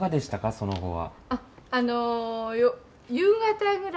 その後は。